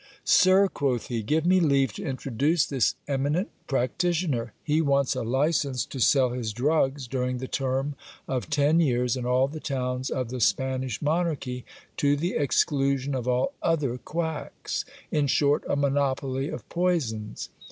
Sir, quoth he, give me leave to introduce this emi nent practitioner. He wants a licence to sell his drugs during the term of ten years in all the towns of the Spanish monarchy, to the exclusion of all other quacks ; in short, a monopoly of poisons.